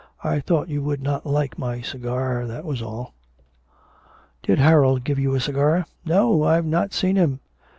I thought you would not like my cigar, that was all.' 'Did Harold give you a cigar?' 'No, I have not seen him.'